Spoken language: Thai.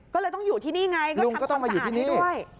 ก็เลยต้องอยู่ที่นี่ไงลุงก็ต้องมาอยู่ที่นี่